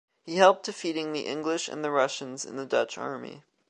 He helped defeating the English and the Russians in the Dutch army.